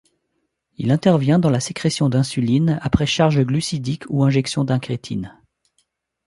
Il intervient dans la sécrétion d'insuline après charge glucidique ou injection d'incrétines.